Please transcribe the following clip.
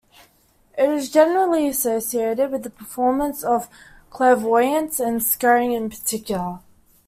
It is generally associated with the performance of clairvoyance and scrying in particular.